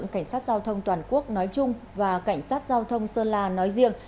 cảnh sát giao thông toàn quốc nói chung và cảnh sát giao thông sơn la nói riêng